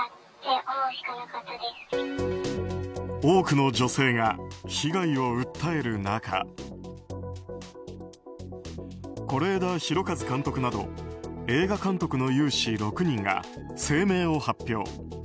多くの女性が被害を訴える中是枝裕和監督など映画監督の有志６人が声明を発表。